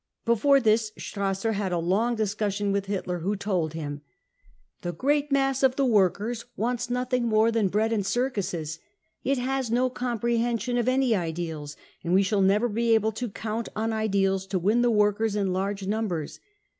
Before this Strasser had a long discussion with Hitler, who told him :" The great mass of the workers wants nothing more than brgad and circuses. It has no comprehension of any ideals, and we shall never be able to count on ideals to win the workers in large numbers.